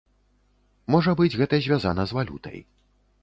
Можа быць гэта звязана з валютай.